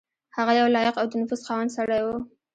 هغه یو لایق او د نفوذ خاوند سړی وو.